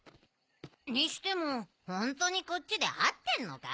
にしてもホントにこっちであってんのか？